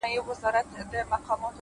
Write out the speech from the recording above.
لوړ فکر لوی بدلونونه راولي.!